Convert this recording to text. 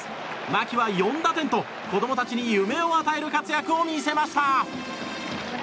牧は４打点と子供たちに夢を与える活躍を見せました。